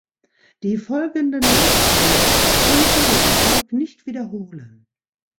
Die folgenden Longplayer konnten den Erfolg nicht wiederholen.